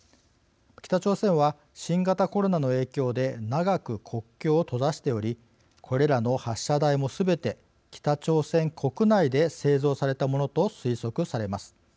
北朝鮮は新型コロナの影響で長く国境を閉ざしておりこれらの発射台もすべて北朝鮮国内で製造されたものと推測されます。